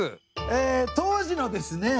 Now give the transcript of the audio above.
え当時のですね